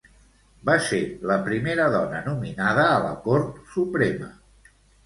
Va ser la primera dona nominada a la Cort Suprema.